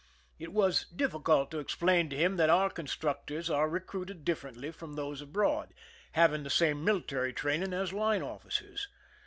It was difficult to explain to him that our constructors are recruited differently from those abroad, having the same military training as line officers.